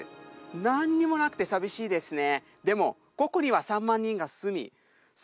何にもなくて寂しいですね